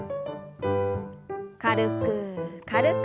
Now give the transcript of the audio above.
軽く軽く。